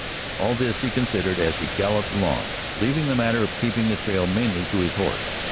All this he considered as he galloped along, leaving the matter of keeping the trail mainly to his horse.